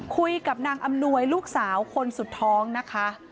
คุยกับนางอำนวยลูกสาวคนสุดท้องนะคะ